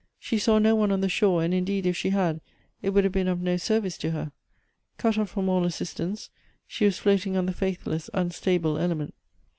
She saw no one on the shore ; and, indeed, if she had, it would have been of no service to her. Cut off from all assistance, she was floating on the faithless, unstable element.